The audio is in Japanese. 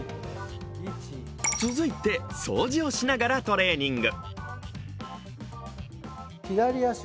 続いて掃除をしながらトレーニング。